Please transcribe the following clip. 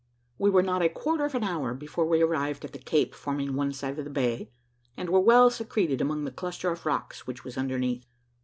We were not a quarter of an hour before we arrived at the cape forming one side of the bay, and were well secreted among the cluster of rocks which was underneath.